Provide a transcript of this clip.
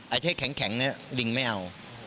ไอ้เทศแข็งนี่ลิงไม่เอา